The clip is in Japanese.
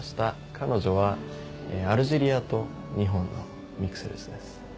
彼女はアルジェリアと日本のミックスルーツです。